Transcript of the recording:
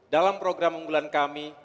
dalam program unggulan kami